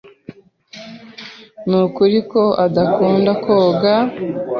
Nukuri ko adakunda koga?